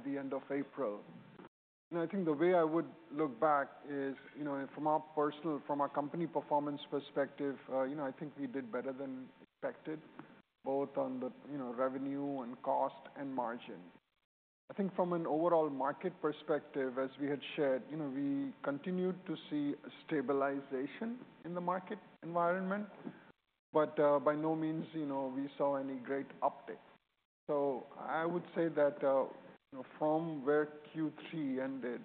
At the end of April. And I think the way I would look back is, you know, from a company performance perspective, you know, I think we did better than expected, both on the, you know, revenue and cost and margin. I think from an overall market perspective, as we had shared, you know, we continued to see stabilization in the market environment, but, by no means, you know, we saw any great uptick. So I would say that, you know, from where Q3 ended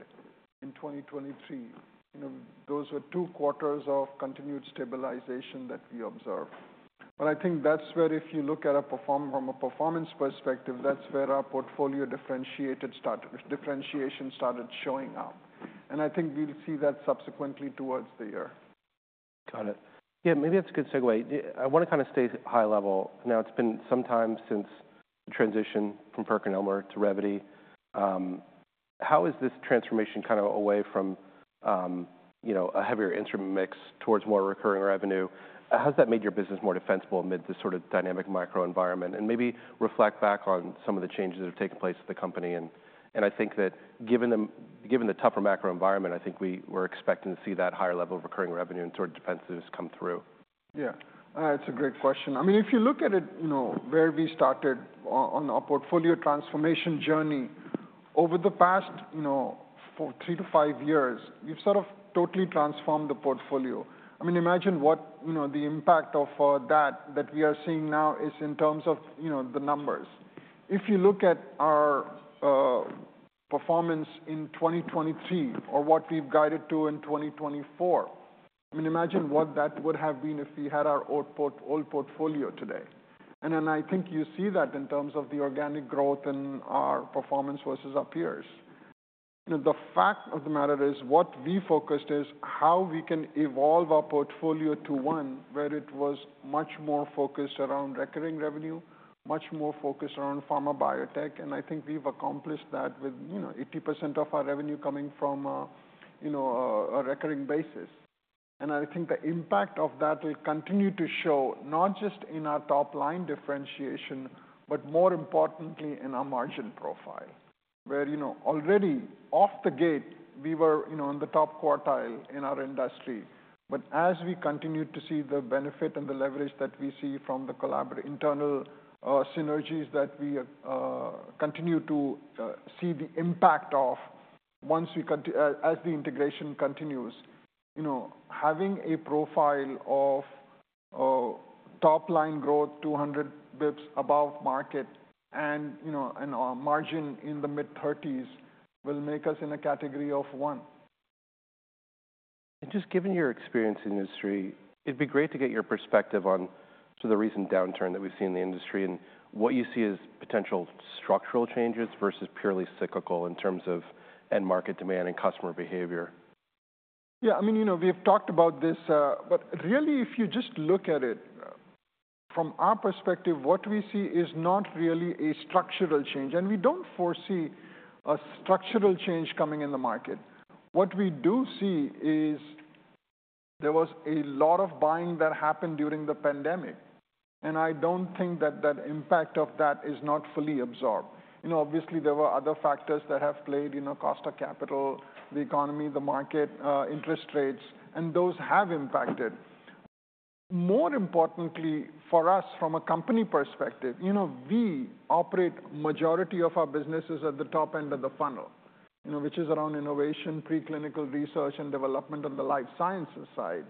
in 2023, you know, those were two quarters of continued stabilization that we observed. But I think that's where if you look at from a performance perspective, that's where our portfolio differentiation started showing up, and I think we'll see that subsequently towards the year. Got it. Yeah, maybe that's a good segue. I wanna kind of stay high level. Now, it's been some time since the transition from PerkinElmer to Revvity. How is this transformation kind of away from, you know, a heavier instrument mix towards more recurring revenue? How has that made your business more defensible amid this sort of dynamic macro environment? And maybe reflect back on some of the changes that have taken place at the company. And, and I think that given the, given the tougher macro environment, I think we were expecting to see that higher level of recurring revenue and sort of defensiveness come through. Yeah, it's a great question. I mean, if you look at it, you know, where we started on, on our portfolio transformation journey, over the past, you know, for three-five years, we've sort of totally transformed the portfolio. I mean, imagine what, you know, the impact of that, that we are seeing now is in terms of, you know, the numbers. If you look at our performance in 2023 or what we've guided to in 2024, I mean, imagine what that would have been if we had our old port- old portfolio today. And then I think you see that in terms of the organic growth in our performance versus our peers. The fact of the matter is, what we focused is how we can evolve our portfolio to one, where it was much more focused around recurring revenue, much more focused around pharma biotech. And I think we've accomplished that with, you know, 80% of our revenue coming from, you know, a recurring basis. And I think the impact of that will continue to show not just in our top line differentiation, but more importantly in our margin profile, where, you know, already off the gate, we were, you know, in the top quartile in our industry. But as we continue to see the benefit and the leverage that we see from the collaborative internal synergies that we are continue to see the impact of once we cont... As the integration continues, you know, having a profile of top-line growth, 200 basis points above market and, you know, and our margin in the mid-30s% will make us in a category of one. Just given your experience in the industry, it'd be great to get your perspective on sort of the recent downturn that we've seen in the industry and what you see as potential structural changes versus purely cyclical in terms of end market demand and customer behavior. Yeah, I mean, you know, we have talked about this, but really, if you just look at it from our perspective, what we see is not really a structural change, and we don't foresee a structural change coming in the market. What we do see is there was a lot of buying that happened during the pandemic, and I don't think that impact of that is not fully absorbed. You know, obviously, there were other factors that have played, you know, cost of capital, the economy, the market, interest rates, and those have impacted. More importantly for us from a company perspective, you know, we operate majority of our businesses at the top end of the funnel, you know, which is around innovation, preclinical research and development on the life sciences side.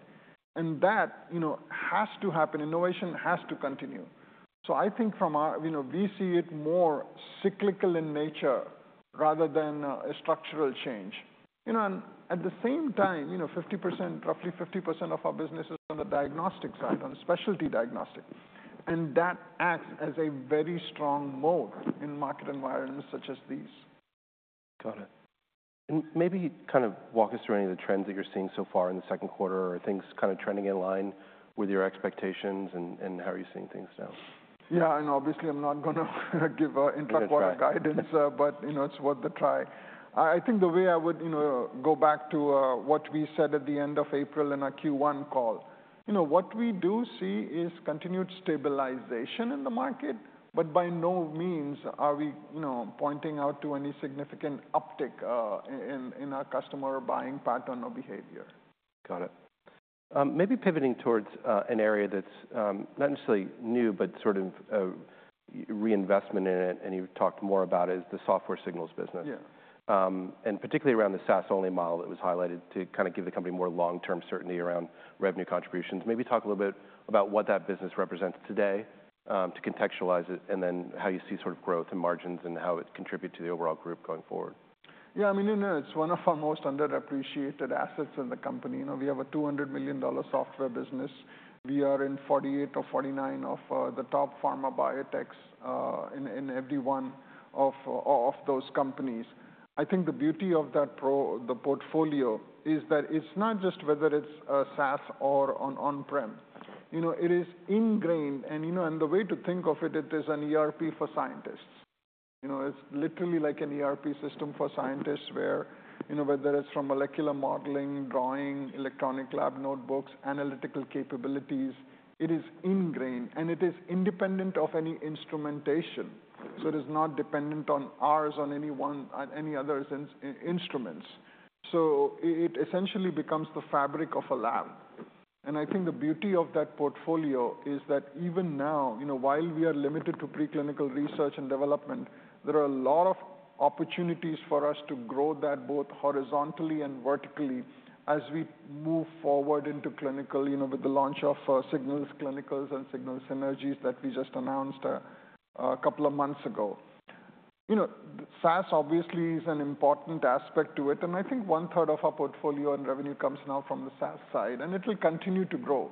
And that, you know, has to happen. Innovation has to continue. So I think from our-- you know, we see it more cyclical in nature rather than a structural change. You know, and at the same time, you know, 50%, roughly 50% of our business is on the diagnostic side, on specialty diagnostic, and that acts as a very strong moat in market environments such as these. Got it. Maybe kind of walk us through any of the trends that you're seeing so far in the second quarter, or are things kind of trending in line with your expectations and how are you seeing things now? Yeah, and obviously, I'm not gonna give intra-quarter guidance- You're right.... but, you know, it's worth the try. I, I think the way I would, you know, go back to what we said at the end of April in our Q1 call, you know, what we do see is continued stabilization in the market, but by no means are we, you know, pointing out to any significant uptick, in our customer buying pattern or behavior. Got it. Maybe pivoting towards an area that's not necessarily new, but sort of reinvestment in it, and you've talked more about it, is the Software Signals business. Yeah. Particularly around the SaaS-only model that was highlighted to kind of give the company more long-term certainty around revenue contributions. Maybe talk a little bit about what that business represents today, to contextualize it, and then how you see sort of growth and margins and how it contributes to the overall group going forward. Yeah, I mean, you know, it's one of our most underappreciated assets in the company. You know, we have a $200 million software business. We are in 48 or 49 of the top pharma biotechs in every one of those companies. I think the beauty of the portfolio is that it's not just whether it's a SaaS or on-prem. You know, it is ingrained, and you know, and the way to think of it, it is an ERP for scientists. You know, it's literally like an ERP system for scientists, where, you know, whether it's from molecular modeling, drawing, electronic lab notebooks, analytical capabilities, it is ingrained, and it is independent of any instrumentation. So it is not dependent on ours, on any one, on any other instruments. So it essentially becomes the fabric of a lab. I think the beauty of that portfolio is that even now, you know, while we are limited to preclinical research and development, there are a lot of opportunities for us to grow that both horizontally and vertically as we move forward into clinical, you know, with the launch of Signals Clinical and Signals Synergy that we just announced a couple of months ago. You know, SaaS obviously is an important aspect to it, and I think one-third of our portfolio and revenue comes now from the SaaS side, and it will continue to grow.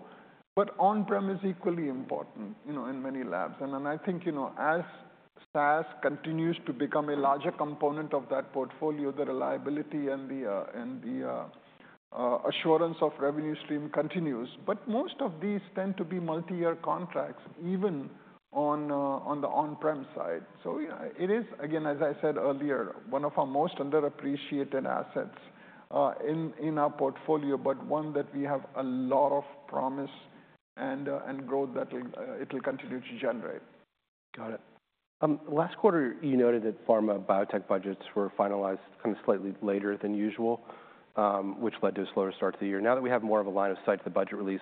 But on-prem is equally important, you know, in many labs. And then I think, you know, as SaaS continues to become a larger component of that portfolio, the reliability and the and the assurance of revenue stream continues. But most of these tend to be multiyear contracts, even on the on-prem side. So yeah, it is, again, as I said earlier, one of our most underappreciated assets, in our portfolio, but one that we have a lot of promise and growth that will, it'll continue to generate. Got it. Last quarter, you noted that pharma biotech budgets were finalized kind of slightly later than usual, which led to a slower start to the year. Now that we have more of a line of sight to the budget release,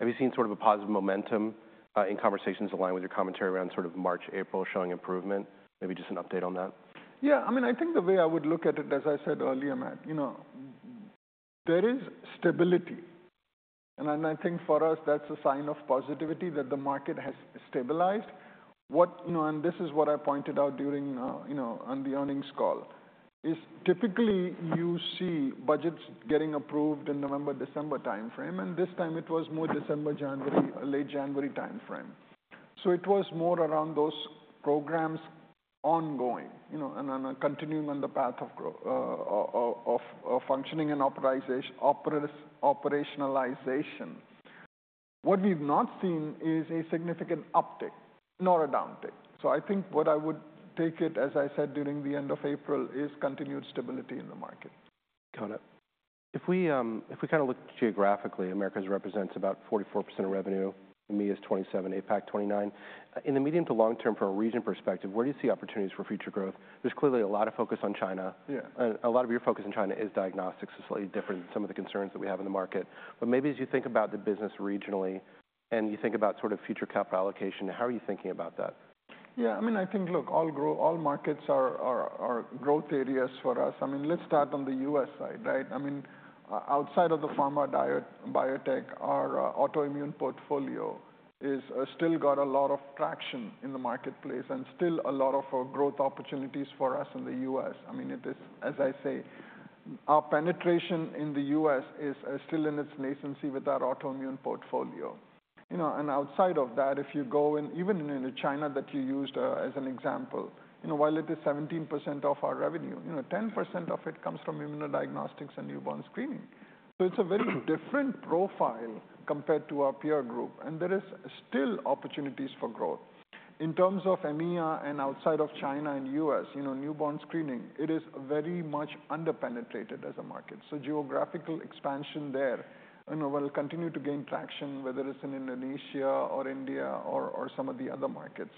have you seen sort of a positive momentum in conversations aligned with your commentary around sort of March, April, showing improvement? Maybe just an update on that. Yeah, I mean, I think the way I would look at it, as I said earlier, Matt, you know, there is stability, and I think for us, that's a sign of positivity that the market has stabilized. What you know, and this is what I pointed out during, you know, on the earnings call, is typically you see budgets getting approved in November, December timeframe, and this time it was more December, January, or late January timeframe. So it was more around those programs ongoing, you know, and on a continuum on the path of growth of functioning and operationalization. What we've not seen is a significant uptick nor a downtick. So I think what I would take it, as I said during the end of April, is continued stability in the market. Got it. If we kind of look geographically, Americas represents about 44% of revenue, EMEA is 27%, APAC, 29%. In the medium to long term, from a region perspective, where do you see opportunities for future growth? There's clearly a lot of focus on China. Yeah. A lot of your focus in China is diagnostics. It's slightly different than some of the concerns that we have in the market. But maybe as you think about the business regionally and you think about sort of future capital allocation, how are you thinking about that? Yeah, I mean, I think, look, all markets are growth areas for us. I mean, let's start on the U.S. side, right? I mean, outside of the pharma biotech, our autoimmune portfolio is still got a lot of traction in the marketplace and still a lot of growth opportunities for us in the U.S. I mean, it is. As I say, our penetration in the U.S. is still in its nascency with our autoimmune portfolio. You know, and outside of that, if you go in, even in China, that you used as an example, you know, while it is 17% of our revenue, you know, 10% of it comes from immunodiagnostics and newborn screening. So it's a very different profile compared to our peer group, and there is still opportunities for growth. In terms of EMEA and outside of China and U.S., you know, newborn screening, it is very much underpenetrated as a market. So geographical expansion there, you know, will continue to gain traction, whether it's in Indonesia or India or some of the other markets.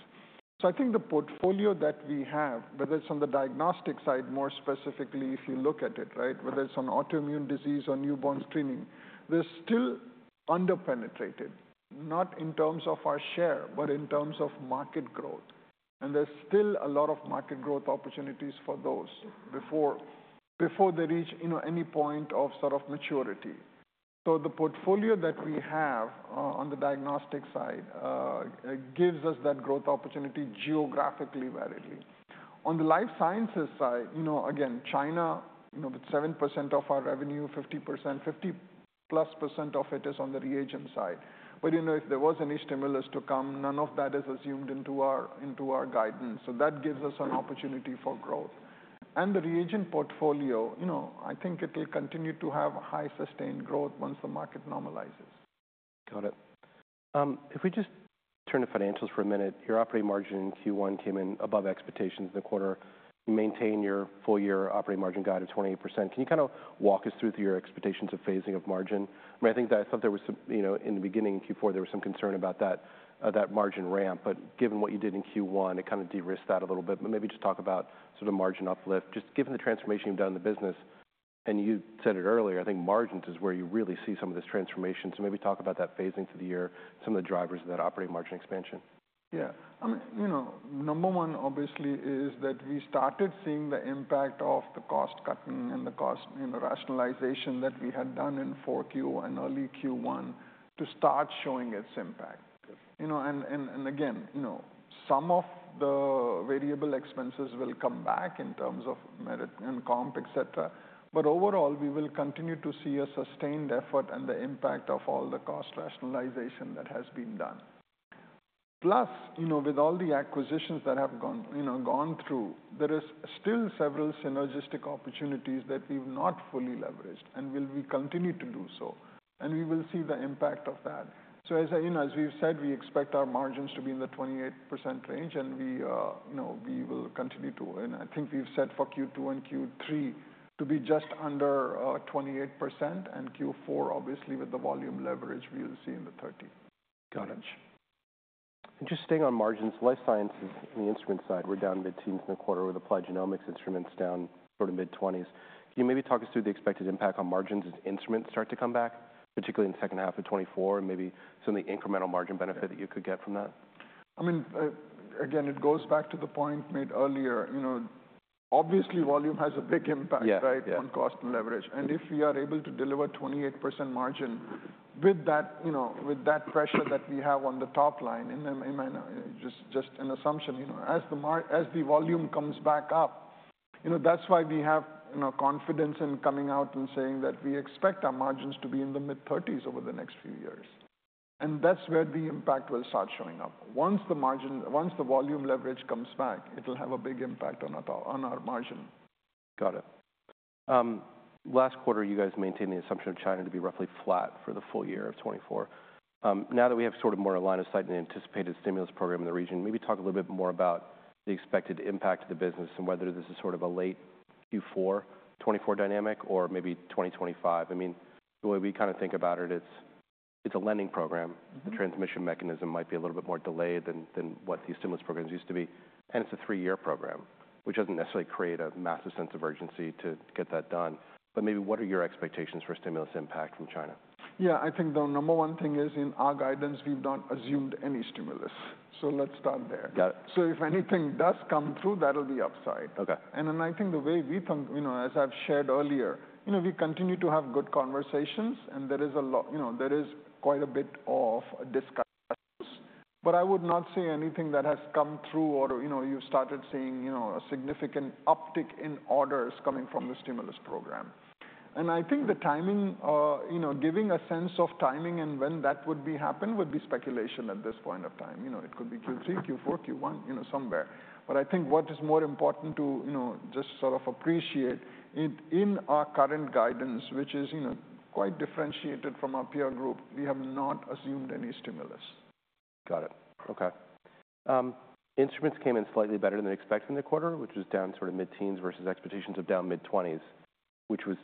So I think the portfolio that we have, whether it's on the diagnostic side, more specifically, if you look at it, right, whether it's on autoimmune disease or newborn screening, we're still underpenetrated, not in terms of our share, but in terms of market growth. And there's still a lot of market growth opportunities for those before they reach, you know, any point of sort of maturity. So the portfolio that we have on the diagnostic side gives us that growth opportunity geographically, variably. On the life sciences side, you know, again, China, you know, with 7% of our revenue, 50%, 50%+ percent of it is on the reagent side. But, you know, if there was any stimulus to come, none of that is assumed into our, into our guidance. So that gives us an opportunity for growth. And the reagent portfolio, you know, I think it will continue to have high sustained growth once the market normalizes. Got it. If we just turn to financials for a minute, your operating margin in Q1 came in above expectations in the quarter. You maintain your full year operating margin guide of 28%. Can you kind of walk us through your expectations of phasing of margin? I think that there was some, you know, in the beginning, in Q4, there was some concern about that, that margin ramp, but given what you did in Q1, it kind of de-risked that a little bit. But maybe just talk about sort of margin uplift, just given the transformation you've done in the business, and you said it earlier, I think margins is where you really see some of this transformation. So maybe talk about that phasing for the year, some of the drivers of that operating margin expansion. Yeah. I mean, you know, number one, obviously, is that we started seeing the impact of the cost cutting and the cost, you know, rationalization that we had done in 4Q and early Q1 to start showing its impact. You know, and, and, and again, you know, some of the variable expenses will come back in terms of merit and comp, et cetera, but overall, we will continue to see a sustained effort and the impact of all the cost rationalization that has been done. Plus, you know, with all the acquisitions that have gone, you know, gone through, there is still several synergistic opportunities that we've not fully leveraged and will be continued to do so, and we will see the impact of that. So as, you know, as we've said, we expect our margins to be in the 28% range, and we, you know, we will continue to... I think we've set for Q2 and Q3 to be just under 28%, and Q4, obviously, with the volume leverage, we'll see in the 30. Got it. And just staying on margins, life sciences and the instrument side were down mid-teens in the quarter, with applied genomics instruments down sort of mid-20s. Can you maybe talk us through the expected impact on margins as instruments start to come back, particularly in the second half of 2024, and maybe some of the incremental margin benefit that you could get from that? I mean, again, it goes back to the point made earlier. You know, obviously, volume has a big impact- Yeah, yeah... right, on cost and leverage. And if we are able to deliver 28% margin with that, you know, with that pressure that we have on the top line, and then just an assumption, you know, as the volume comes back up, you know, that's why we have, you know, confidence in coming out and saying that we expect our margins to be in the mid-30s% over the next few years. And that's where the impact will start showing up. Once the volume leverage comes back, it'll have a big impact on our, on our margin. Got it. Last quarter, you guys maintained the assumption of China to be roughly flat for the full year of 2024. Now that we have sort of more line of sight in the anticipated stimulus program in the region, maybe talk a little bit more about the expected impact of the business and whether this is sort of a late Q4 2024 dynamic or maybe 2025. I mean, the way we kind of think about it, it's, it's a lending program. Mm-hmm. The transmission mechanism might be a little bit more delayed than what these stimulus programs used to be. It's a three-year program, which doesn't necessarily create a massive sense of urgency to get that done. But maybe what are your expectations for stimulus impact from China? Yeah, I think the number one thing is, in our guidance, we've not assumed any stimulus. So let's start there. Got it. If anything does come through, that'll be upside. Okay. And then I think the way we think. You know, as I've shared earlier, you know, we continue to have good conversations, and there is a lot—you know, there is quite a bit of discussions, but I would not say anything that has come through or, you know, you've started seeing, you know, a significant uptick in orders coming from the stimulus program. And I think the timing, you know, giving a sense of timing and when that would be happen, would be speculation at this point of time. You know, it could be Q3, Q4, Q1, you know, somewhere. But I think what is more important to, you know, just sort of appreciate, in, in our current guidance, which is, you know, quite differentiated from our peer group, we have not assumed any stimulus. Got it. Okay. Instruments came in slightly better than expected in the quarter, which was down sort of mid-teens versus expectations of down mid-twenties, which was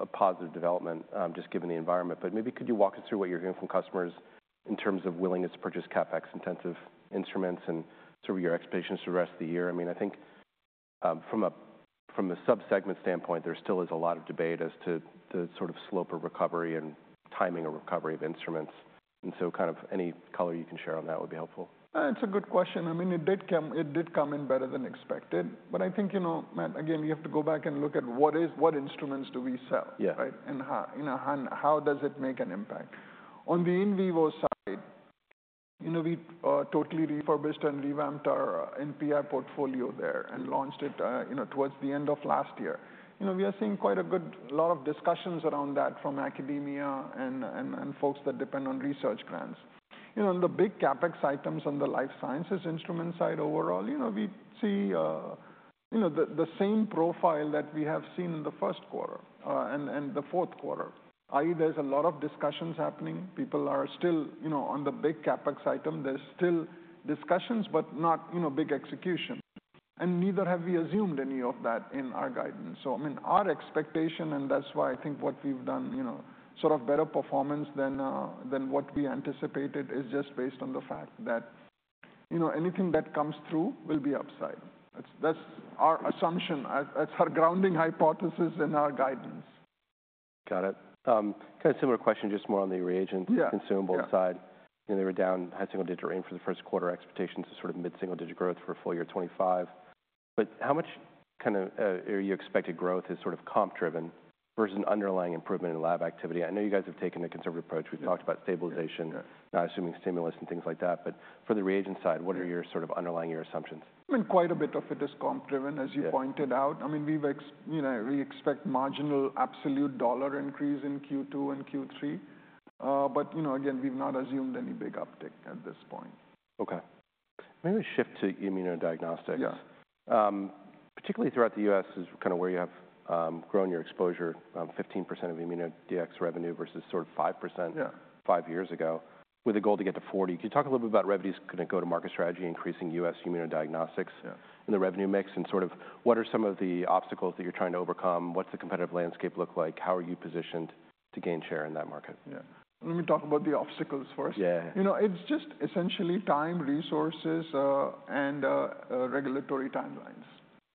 a positive development, just given the environment. But maybe could you walk us through what you're hearing from customers in terms of willingness to purchase CapEx-intensive instruments and sort of your expectations for the rest of the year? I mean, I think, from a sub-segment standpoint, there still is a lot of debate as to the sort of slope of recovery and timing of recovery of instruments, and so kind of any color you can share on that would be helpful. It's a good question. I mean, it did come, it did come in better than expected, but I think, you know, Matt, again, we have to go back and look at what is- what instruments do we sell- Yeah... right? And how, you know, does it make an impact? On the in vivo side, you know, we totally refurbished and revamped our NPI portfolio there and launched it, you know, towards the end of last year. You know, we are seeing quite a good lot of discussions around that from academia and folks that depend on research grants. You know, the big CapEx items on the life sciences instrument side, overall, you know, we see the same profile that we have seen in the first quarter and the fourth quarter. I.e., there's a lot of discussions happening. People are still, you know, on the big CapEx item. There's still discussions, but not, you know, big execution. And neither have we assumed any of that in our guidance. So, I mean, our expectation, and that's why I think what we've done, you know, sort of better performance than what we anticipated, is just based on the fact that, you know, anything that comes through will be upside. That's our assumption. That's our grounding hypothesis and our guidance. Got it. Kind of similar question, just more on the reagent- Yeah... consumable side. You know, they were down high single digit range for the first quarter. Expectations of sort of mid-single digit growth for full year 2025. But how much kind of, your expected growth is sort of comp driven versus an underlying improvement in lab activity? I know you guys have taken a conservative approach. Yeah. We've talked about stabilization- Yeah, yeah... not assuming stimulus and things like that, but for the reagent side, what are your sort of underlying year assumptions? I mean, quite a bit of it is comp driven, as you- Yeah... pointed out. I mean, we've you know, we expect marginal absolute dollar increase in Q2 and Q3. But you know, again, we've not assumed any big uptick at this point. Okay. Maybe shift to immunodiagnostics. Yeah. Particularly throughout the U.S., is kind of where you have grown your exposure, 15% of ImmunoDx revenue versus sort of 5%- Yeah... five years ago, with a goal to get to forty. Can you talk a little bit about Revvity's kind of go-to-market strategy, increasing U.S. immunodiagnostics- Yeah... and the revenue mix, and sort of what are some of the obstacles that you're trying to overcome? What's the competitive landscape look like? How are you positioned to gain share in that market? Yeah. Let me talk about the obstacles first. Yeah. You know, it's just essentially time, resources, and regulatory timelines.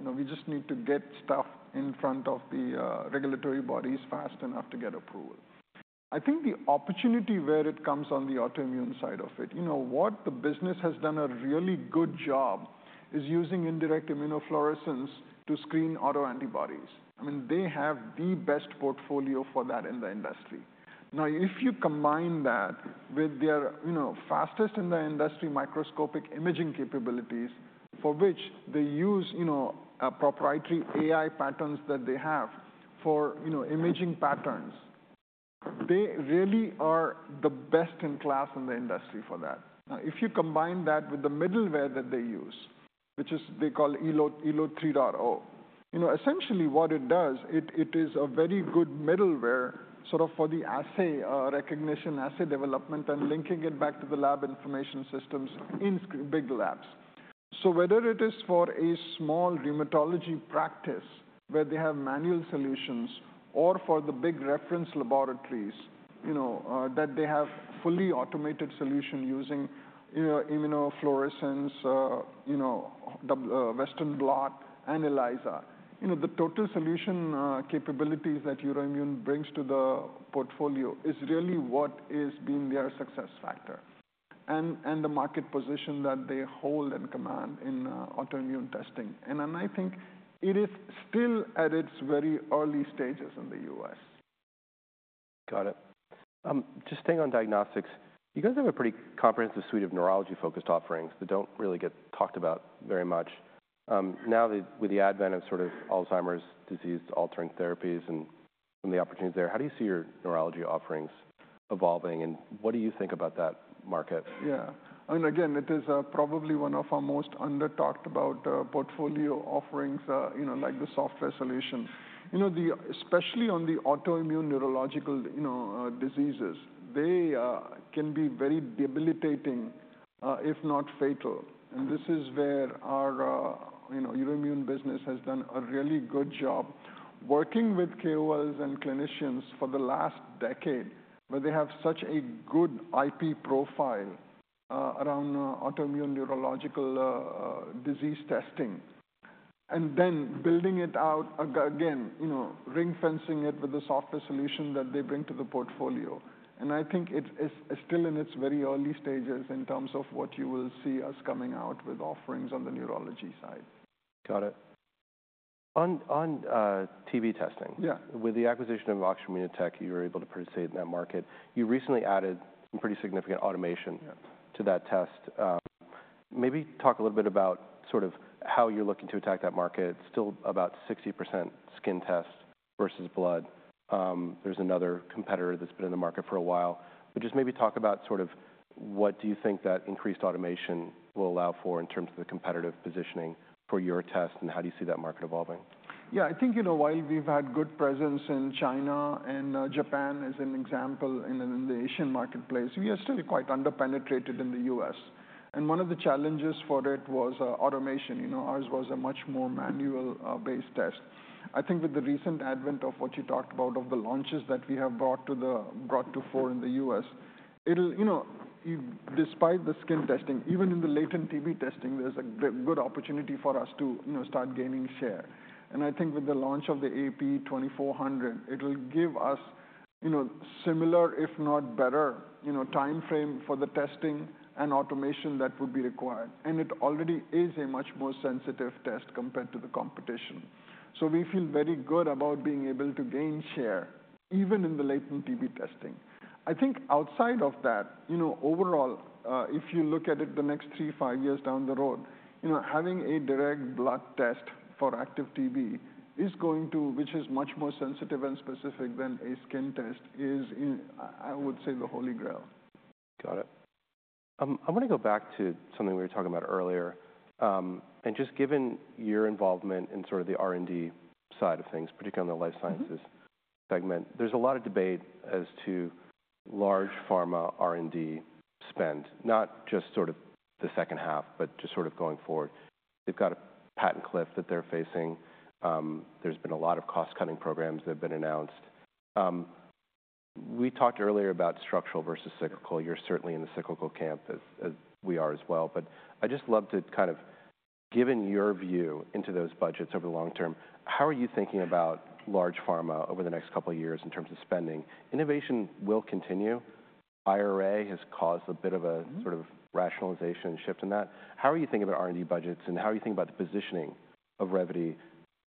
You know, we just need to get stuff in front of the regulatory bodies fast enough to get approval. I think the opportunity where it comes on the autoimmune side of it, you know, what the business has done a really good job is using indirect immunofluorescence to screen autoantibodies. I mean, they have the best portfolio for that in the industry. Now, if you combine that with their, you know, fastest in the industry microscopic imaging capabilities, for which they use, you know, a proprietary AI patterns that they have for, you know, imaging patterns, they really are the best in class in the industry for that. Now, if you combine that with the middleware that they use, which is... they call ELO 3.0. You know, essentially what it does, it is a very good middleware, sort of for the assay recognition, assay development, and linking it back to the lab information systems in large big labs. So whether it is for a small rheumatology practice where they have manual solutions or for the big reference laboratories, you know, that they have fully automated solution using, you know, immunofluorescence, Western blot and ELISA. You know, the total solution capabilities that EUROIMMUN brings to the portfolio is really what is been their success factor and the market position that they hold and command in autoimmune testing. And then I think it is still at its very early stages in the U.S. Got it. Just staying on diagnostics, you guys have a pretty comprehensive suite of neurology-focused offerings that don't really get talked about very much. Now with the advent of sort of Alzheimer's disease-altering therapies and the opportunities there, how do you see your neurology offerings evolving, and what do you think about that market? Yeah. And again, it is probably one of our most under-talked about portfolio offerings, you know, like the software solution. You know, the especially on the autoimmune neurological, you know, diseases, they can be very debilitating, if not fatal. And this is where our, you know, EUROIMMUN business has done a really good job working with KOLs and clinicians for the last decade, where they have such a good IP profile around autoimmune neurological disease testing, and then building it out again, you know, ring-fencing it with a software solution that they bring to the portfolio. And I think it is still in its very early stages in terms of what you will see us coming out with offerings on the neurology side. Got it. On TB testing- Yeah. With the acquisition of Oxford Immunotec, you were able to participate in that market. You recently added some pretty significant automation. Yeah... to that test. Maybe talk a little bit about sort of how you're looking to attack that market. It's still about 60% skin test versus blood. There's another competitor that's been in the market for a while. But just maybe talk about sort of what do you think that increased automation will allow for in terms of the competitive positioning for your test, and how do you see that market evolving? Yeah, I think, you know, while we've had good presence in China and Japan, as an example, in the Asian marketplace, we are still quite under-penetrated in the U.S. And one of the challenges for it was automation. You know, ours was a much more manual based test. I think with the recent advent of what you talked about, of the launches that we have brought to fore in the U.S., it'll, you know, despite the skin testing, even in the latent TB testing, there's a good opportunity for us to, you know, start gaining share. And I think with the launch of the AP2400, it will give us, you know, similar, if not better, you know, time frame for the testing and automation that would be required. And it already is a much more sensitive test compared to the competition. So we feel very good about being able to gain share, even in the latent TB testing. I think outside of that, you know, overall, if you look at it, the next three to five years down the road, you know, having a direct blood test for active TB is going to... which is much more sensitive and specific than a skin test, is in, I would say, the Holy Grail. Got it. I want to go back to something we were talking about earlier. And just given your involvement in sort of the R&D side of things, particularly in the life sciences- Mm-hmm... segment, there's a lot of debate as to large pharma R&D spend, not just sort of the second half, but just sort of going forward. They've got a patent cliff that they're facing. There's been a lot of cost-cutting programs that have been announced. We talked earlier about structural versus cyclical. You're certainly in the cyclical camp as, as we are as well. But I'd just love to kind of, given your view into those budgets over the long term, how are you thinking about large pharma over the next couple of years in terms of spending? Innovation will continue. IRA has caused a bit of a- Mm-hmm... sort of rationalization shift in that. How are you thinking about R&D budgets, and how are you thinking about the positioning of Revvity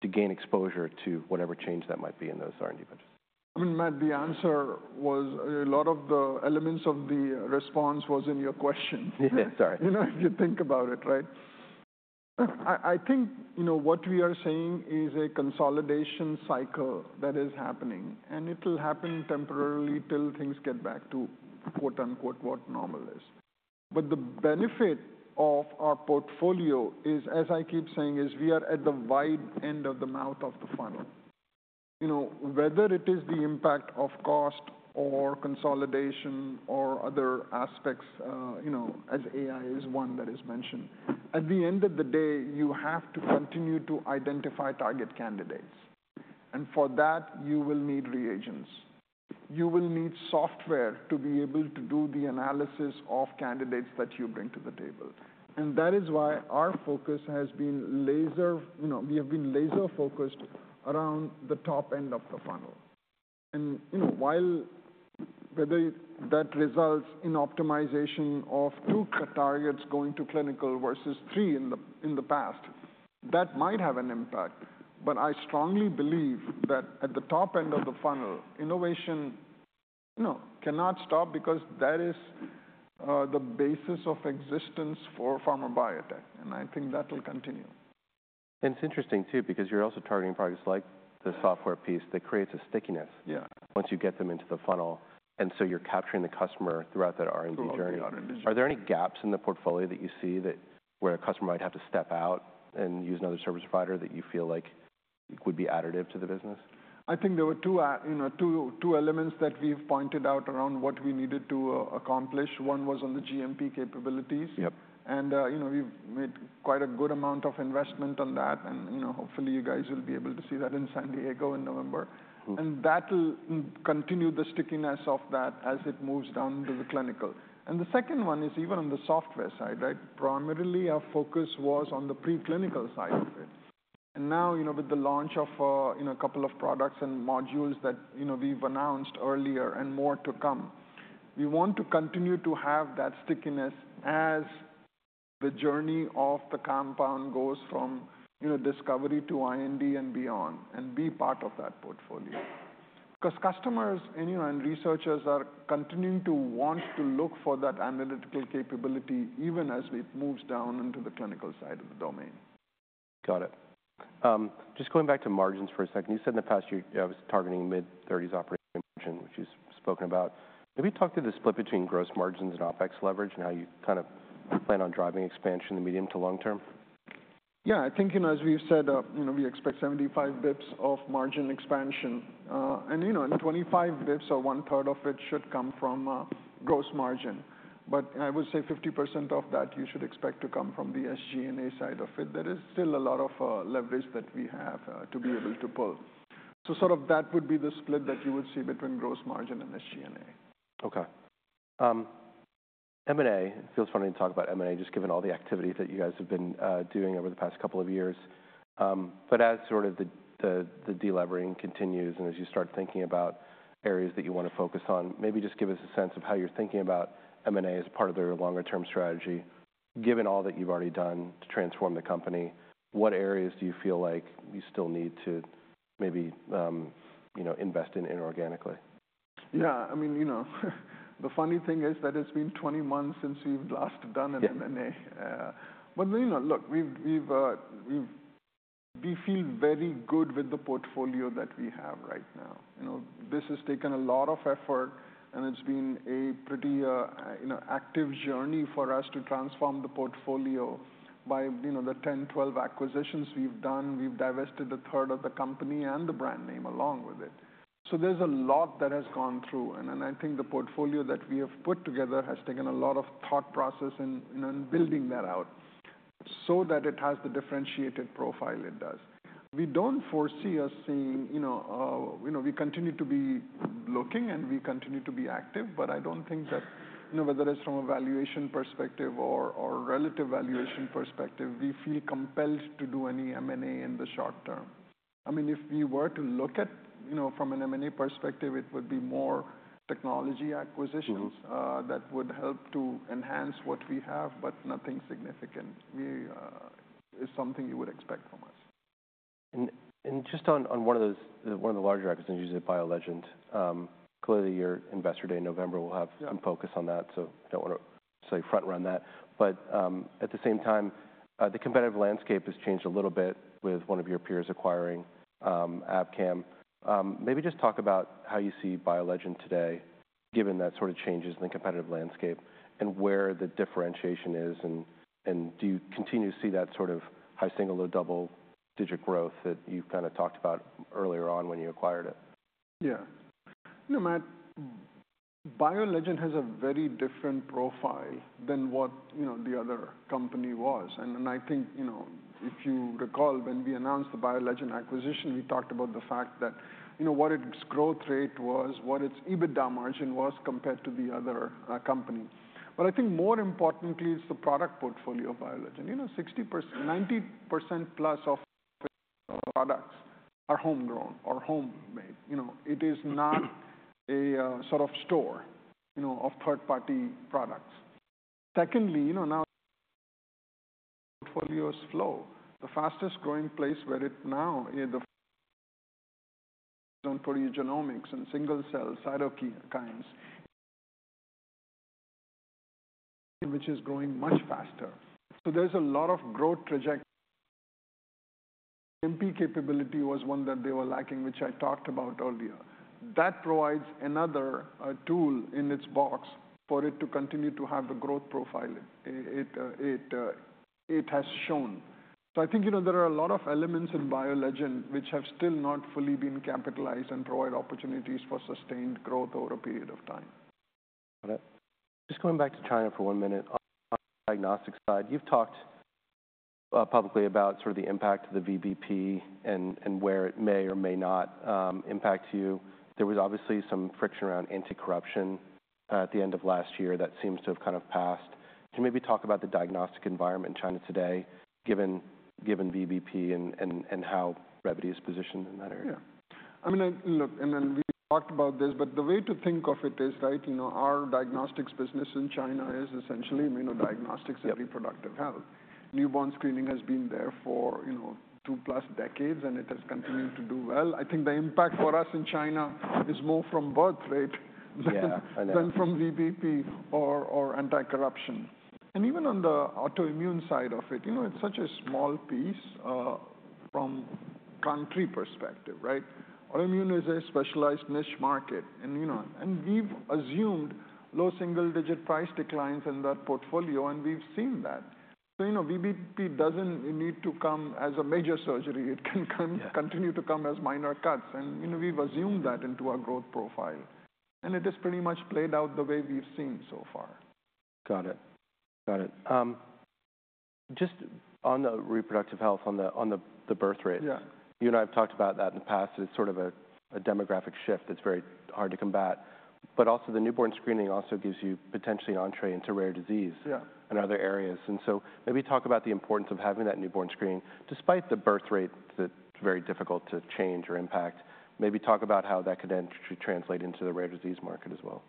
to gain exposure to whatever change that might be in those R&D budgets? I mean, Matt, the answer was, a lot of the elements of the response was in your question. Sorry. You know, if you think about it, right? I think, you know, what we are saying is a consolidation cycle that is happening, and it'll happen temporarily till things get back to, quote-unquote, "what normal is." But the benefit of our portfolio is, as I keep saying, is we are at the wide end of the mouth of the funnel. You know, whether it is the impact of cost or consolidation or other aspects, you know, as AI is one that is mentioned. At the end of the day, you have to continue to identify target candidates, and for that, you will need reagents. You will need software to be able to do the analysis of candidates that you bring to the table, and that is why our focus has been laser... You know, we have been laser-focused around the top end of the funnel. You know, while whether that results in optimization of two targets going to clinical versus three in the past, that might have an impact. But I strongly believe that at the top end of the funnel, innovation, you know, cannot stop because that is the basis of existence for pharma biotech, and I think that will continue. It's interesting, too, because you're also targeting products like the software piece that creates a stickiness- Yeah... once you get them into the funnel, and so you're capturing the customer throughout that R&D journey. Correct. Are there any gaps in the portfolio that you see where a customer might have to step out and use another service provider that you feel like could be additive to the business? I think there were two, you know, two, two elements that we've pointed out around what we needed to, accomplish. One was on the GMP capabilities. Yep. You know, we've made quite a good amount of investment on that, and, you know, hopefully you guys will be able to see that in San Diego in November. Mm. And that'll continue the stickiness of that as it moves down to the clinical. And the second one is even on the software side, right? Primarily, our focus was on the preclinical side of it. And now, you know, with the launch of, you know, a couple of products and modules that, you know, we've announced earlier and more to come, we want to continue to have that stickiness as the journey of the compound goes from, you know, discovery to IND and beyond, and be part of that portfolio. 'Cause customers, anyone, researchers are continuing to want to look for that analytical capability, even as it moves down into the clinical side of the domain. Got it. Just going back to margins for a second. You said in the past year, you guys were targeting mid-thirties operation, which you've spoken about. Can we talk through the split between gross margins and OpEx leverage, and how you kind of plan on driving expansion in the medium to long term? Yeah, I think, you know, as we've said, you know, we expect 75 basis points of margin expansion. And, you know, and 25 basis points or one third of it should come from gross margin. But I would say 50% of that, you should expect to come from the SG&A side of it. There is still a lot of leverage that we have to be able to pull. So sort of that would be the split that you would see between gross margin and SG&A. Okay. M&A, it feels funny to talk about M&A, just given all the activity that you guys have been doing over the past couple of years. But as sort of the delevering continues, and as you start thinking about areas that you want to focus on, maybe just give us a sense of how you're thinking about M&A as part of the longer term strategy. Given all that you've already done to transform the company, what areas do you feel like you still need to maybe, you know, invest in inorganically? Yeah, I mean, you know, the funny thing is that it's been 20 months since we've last done an M&A. Yeah. But, you know, look, we feel very good with the portfolio that we have right now. You know, this has taken a lot of effort, and it's been a pretty, you know, active journey for us to transform the portfolio by, you know, the 10, 12 acquisitions we've done. We've divested a third of the company and the brand name along with it. So there's a lot that has gone through, and I think the portfolio that we have put together has taken a lot of thought process and, you know, building that out so that it has the differentiated profile it does. We don't foresee us seeing, you know... You know, we continue to be looking, and we continue to be active, but I don't think that, you know, whether it's from a valuation perspective or, or relative valuation perspective, we feel compelled to do any M&A in the short term. I mean, if we were to look at, you know, from an M&A perspective, it would be more technology acquisitions- Mm... that would help to enhance what we have, but nothing significant. We, it's something you would expect from us. And just on one of the larger acquisitions, BioLegend, clearly your Investor Day in November will have- Yeah some focus on that, so don't want to say front run that. But, at the same time, the competitive landscape has changed a little bit with one of your peers acquiring Abcam. Maybe just talk about how you see BioLegend today, given that sort of changes in the competitive landscape, and where the differentiation is, and, and do you continue to see that sort of high single or double-digit growth that you kind of talked about earlier on when you acquired it? Yeah. You know, Matt, BioLegend has a very different profile than what, you know, the other company was. And then, I think, you know, if you recall, when we announced the BioLegend acquisition, we talked about the fact that, you know, what its growth rate was, what its EBITDA margin was compared to the other company. But I think more importantly is the product portfolio of BioLegend. You know, 90% plus of products are homegrown or homemade. You know, it is not a sort of store, you know, of third-party products. Secondly, you know, now portfolios flow. The fastest growing place where it now in the genomics and single cell cytokines, which is growing much faster. So there's a lot of growth trajectory. GMP capability was one that they were lacking, which I talked about earlier. That provides another tool in its box for it to continue to have the growth profile it has shown. So I think, you know, there are a lot of elements in BioLegend, which have still not fully been capitalized and provide opportunities for sustained growth over a period of time. Got it. Just going back to China for one minute. On the diagnostics side, you've talked publicly about sort of the impact of the VBP and where it may or may not impact you. There was obviously some friction around anti-corruption at the end of last year that seems to have kind of passed. Can you maybe talk about the diagnostic environment in China today, given VBP and how Revvity is positioned in that area? Yeah. I mean, look, and then we talked about this, but the way to think of it is, right, you know, our diagnostics business in China is essentially immunodiagnostics- Yep - and reproductive health. Newborn screening has been there for, you know, 2+ decades, and it has continued to do well. I think the impact for us in China is more from birth rate - Yeah, I know.... than from VBP or anti-corruption. And even on the autoimmune side of it, you know, it's such a small piece from country perspective, right? Autoimmune is a specialized niche market and, you know, and we've assumed low single-digit price declines in that portfolio, and we've seen that. So, you know, VBP doesn't need to come as a major surgery. It can come- Yeah... continue to come as minor cuts, and, you know, we've assumed that into our growth profile.... It has pretty much played out the way we've seen so far. Got it. Got it. Just on the reproductive health, on the birthrate- Yeah. You and I have talked about that in the past, and it's sort of a demographic shift that's very hard to combat. But also the newborn screening also gives you potentially entree into rare disease- Yeah and other areas. So maybe talk about the importance of having that newborn screening, despite the birth rate, that's very difficult to change or impact. Maybe talk about how that could then translate into the rare disease market as well.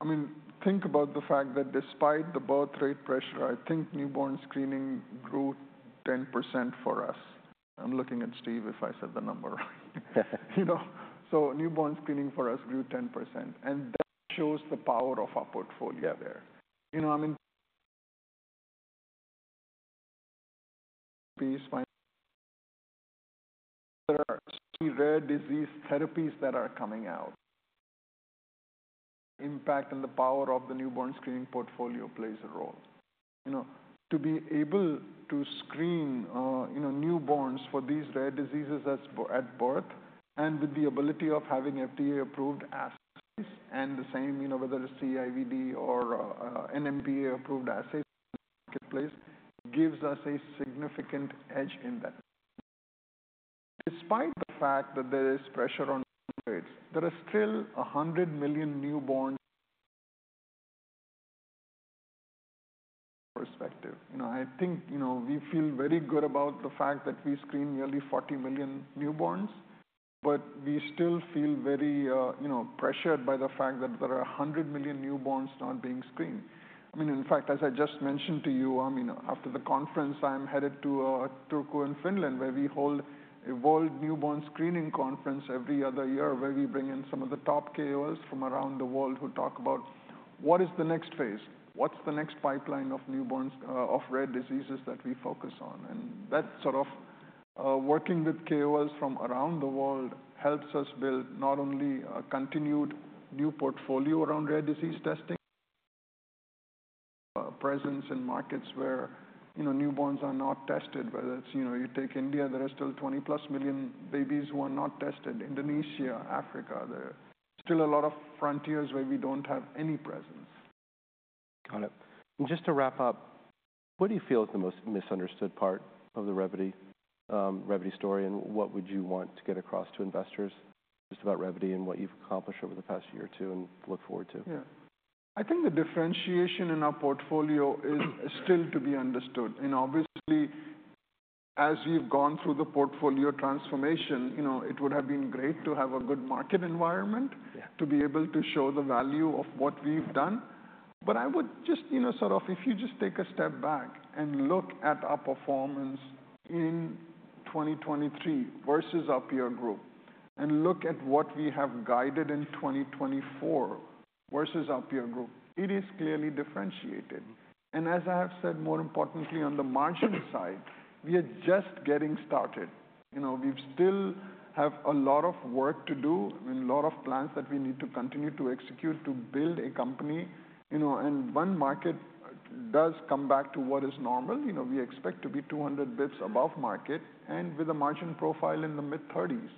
I mean, think about the fact that despite the birth rate pressure, I think newborn screening grew 10% for us. I'm looking at Steve, if I said the number right. You know, so newborn screening for us grew 10%, and that shows the power of our portfolio there. You know, I mean, there are key rare disease therapies that are coming out. Impact and the power of the newborn screening portfolio plays a role. You know, to be able to screen, you know, newborns for these rare diseases at birth, and with the ability of having FDA-approved assays, and the same, you know, whether it's CE-IVD or NMPA-approved assays, marketplace, gives us a significant edge in that. Despite the fact that there is pressure on rates, there are still a 100 million newborns perspective. You know, I think, you know, we feel very good about the fact that we screen nearly 40 million newborns, but we still feel very, you know, pressured by the fact that there are 100 million newborns not being screened. I mean, in fact, as I just mentioned to you, I mean, after the conference, I'm headed to Turku in Finland, where we hold a World Newborn Screening Conference every other year, where we bring in some of the top KOLs from around the world who talk about what is the next phase, what's the next pipeline of newborns, of rare diseases that we focus on? And that sort of, working with KOLs from around the world helps us build not only a continued new portfolio around rare disease testing, presence in markets where, you know, newborns are not tested, whether it's... You know, you take India, there are still 20+ million babies who are not tested. Indonesia, Africa, there are still a lot of frontiers where we don't have any presence. Got it. Just to wrap up, what do you feel is the most misunderstood part of the Revvity story, and what would you want to get across to investors just about Revvity and what you've accomplished over the past year or two and look forward to? Yeah. I think the differentiation in our portfolio is still to be understood. And obviously, as we've gone through the portfolio transformation, you know, it would have been great to have a good market environment- Yeah —to be able to show the value of what we've done. But I would just, you know, sort of if you just take a step back and look at our performance in 2023 versus our peer group, and look at what we have guided in 2024 versus our peer group, it is clearly differentiated. And as I have said, more importantly, on the margin side, we are just getting started. You know, we've still have a lot of work to do and a lot of plans that we need to continue to execute to build a company. You know, and one market does come back to what is normal. You know, we expect to be 200 basis points above market and with a margin profile in the mid-30s.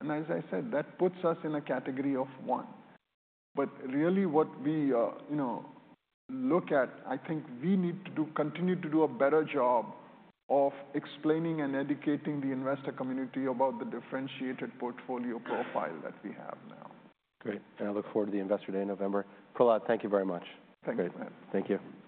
And as I said, that puts us in a category of one. But really, what we, you know, look at, I think we need to continue to do a better job of explaining and educating the investor community about the differentiated portfolio profile that we have now. Great, and I look forward to the Investor Day in November. Prahlad, thank you very much. Thank you, Matt. Thank you.